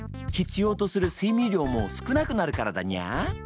必要とする睡眠量も少なくなるからだにゃー。